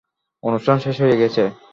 অনুষ্ঠান শেষ হয়ে গেছে?